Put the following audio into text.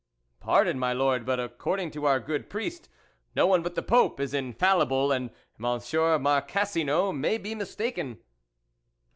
" Pardon, my Lord, but according to our good priest, no one but the Pope is in THE WOLF LEADER fallible, and Monsieur Marcassino may be mistaken."